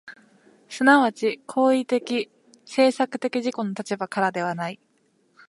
即ち行為的・制作的自己の立場からではない。